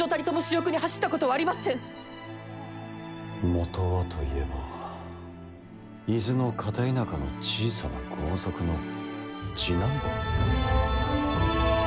元はといえば伊豆の片田舎の小さな豪族の次男坊。